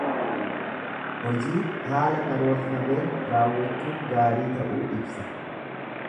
Hojii haala karoorfameen raawwachuun gaarii ta'uu ibsa.